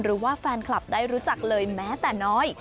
หรือว่าแฟนคลับได้รู้จักเลยแม้แต่น้อย